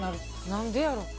何でやろ。